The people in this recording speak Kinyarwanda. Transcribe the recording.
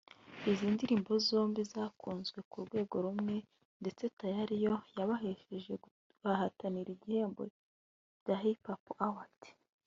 Izi ndirimbo zombi zakunzwe ku rwego rukomeye ndetse Tayali yo yanabahesheje guhatanira ibihembo bya Hipipo Awards